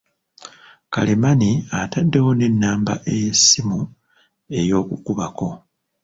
Karemani ataddewo n'ennamba ey'essimu ey’okukubako.